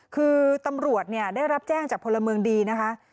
คือตำรวจเนี่ยได้รับแจ้งจากพลเมืองดีนะคะ